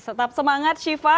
tetap semangat syifa